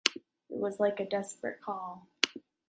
It was like a desperate call.